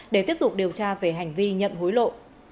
để tiếp tục điều tra về hành vi nhận hối lộ